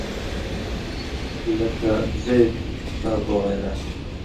لَکھہ زید کتاب وغېرہ